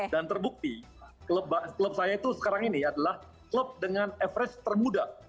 dan terbukti klub saya itu sekarang ini adalah klub dengan average termuda